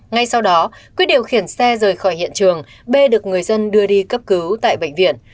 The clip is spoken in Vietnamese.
ngay sau đó quyết điều khiển xe rời khỏi hiện trường bê được người dân đưa đi cấp cứu tại bệnh viện